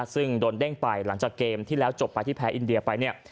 ซึ่งโดนเด้งไปหลังจากเกมที่แล้วจบไปที่แพ้อินเดียไปเนี่ย